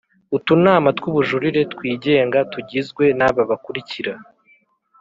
Utunama tw’ubujurire twigenga tugizwe n’aba bakurikira